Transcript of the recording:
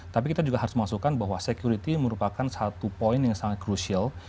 tapi kita juga harus memasukkan bahwa security merupakan satu poin yang sangat krusial